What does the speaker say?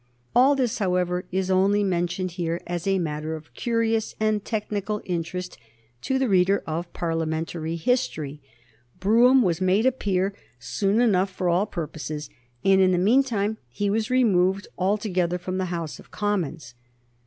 All this, however, is only mentioned here as a matter of curious and technical interest to the reader of Parliamentary history. Brougham was made a peer soon enough for all purposes, and in the mean time he was removed altogether from the House of Commons.